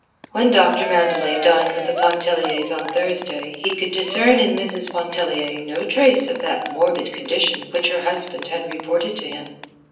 When Doctor Mandelet dined with the Pontelliers on Thursday he could discern in Mrs. Pontellier no trace of that morbid condition which her husband had reported to him.